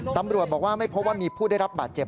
ตำรวจบอกว่าไม่พบว่ามีผู้ได้รับบาดเจ็บ